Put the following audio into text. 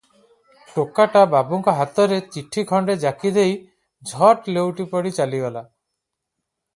ଟୋକାଟା ବାବୁଙ୍କ ହାତରେ ଚିଠି ଖଣ୍ଡେ ଯାକି ଦେଇ ଝଟ୍ ଲେଉଟି ପଡ଼ି ଚାଲିଗଲା ।